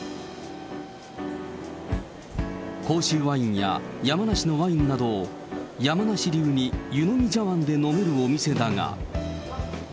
甲州ワインや山梨のワインなどを、山梨流に湯飲み茶わんで飲めるお店だが。